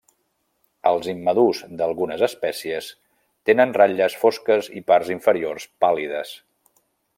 Els immadurs d'algunes espècies tenen ratlles fosques i parts inferiors pàl·lides.